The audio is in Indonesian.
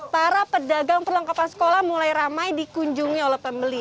para pedagang perlengkapan sekolah mulai ramai dikunjungi oleh pembeli